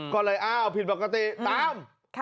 ก็เลยอ้าวผิดปกติตาม